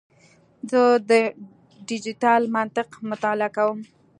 زه د ډیجیټل منطق مطالعه کوم.